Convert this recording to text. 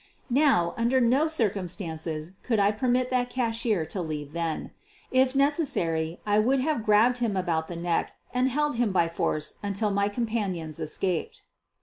Now, under no circumstances could I permit that cashier to leave then. If neces sary I would have grabbed him about the neck and QUEEN OP THE BURGLARS 183 held him by force until my companions escaped.